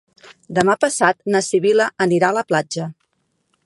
Demà passat na Sibil·la anirà a la platja.